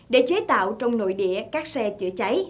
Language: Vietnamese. để chế tạo trong nội địa các xe chữa cháy